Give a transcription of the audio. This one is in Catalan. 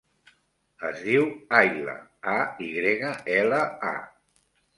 Es diu Ayla: a, i grega, ela, a.